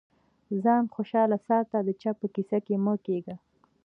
ځان خوشاله ساته د چا په کيسه کي مه کېږه.